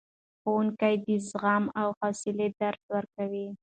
ښوونکي د زغم او حوصلې درس ورکوي.